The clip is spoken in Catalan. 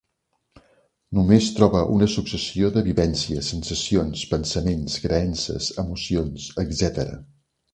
Només trobe una successió de vivències, sensacions, pensaments, creences, emocions, etcètera.